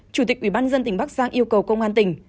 chủ tịch ủy ban dân tỉnh bắc giang yêu cầu công an tỉnh